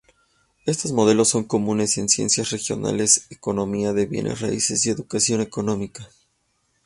Estos modelos son comunes en ciencias regionales, economía de bienes raíces, y educación económica.